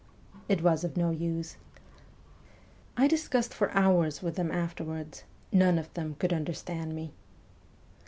..' It was of no use. I discussed for hours with them afterwards : none of them could understand me